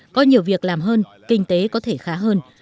có nhiều việc làm hơn kinh tế có thể khá hơn